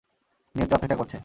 নিয়তি অপেক্ষা করছে!